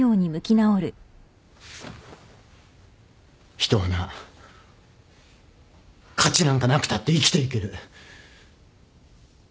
人はな価値なんかなくたって生きていける。